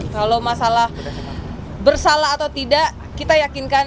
kalau masalah bersalah atau tidak kita yakinkan